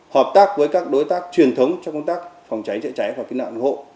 hợp tác với các đối tác truyền thống trong công tác phòng cháy chữa cháy và kiếm nản hộ